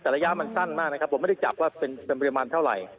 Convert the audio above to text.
แต่ระยะมันสั้นมากนะครับผมไม่ได้จับว่าเป็นปริมาณเท่าไหร่